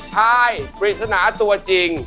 ทายปริศนาตัวจริง